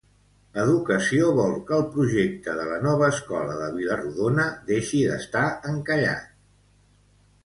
Educació vol que el projecte de la nova escola de Vila-rodona deixi d'estar encallat.